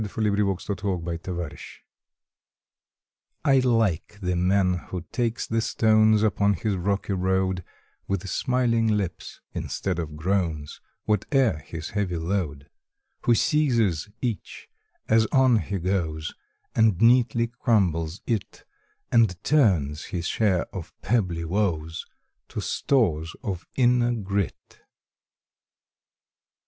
February Twelfth TRANSFORMATION T LIKE the man who takes the stones Upon his rocky road With smiling lips instead of groans, Whate er his heavy load Who seizes each as on he goes, And neatly crumbles it, And turns his share of pebbly woes To stores of inner grit.